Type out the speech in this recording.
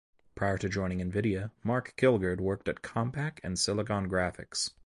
Prior to joining Nvidia, Mark Kilgard worked at Compaq and Silicon Graphics.